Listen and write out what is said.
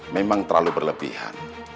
memang terlalu berlebihan